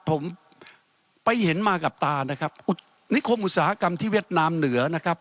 ผมไปเห็นมากับตานะครับนิคมอุตสาหกรรมที่เวียดนามเหนือนะครับ